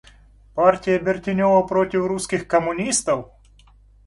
Партия Бертенева против русских коммунистов?